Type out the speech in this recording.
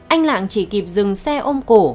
anh lạng chỉ kịp dừng xe ôm cổ